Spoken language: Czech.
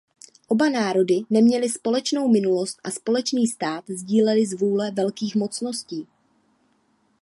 Oba národy neměly společnou minulost a společný stát sdílely z vůle velkých mocností.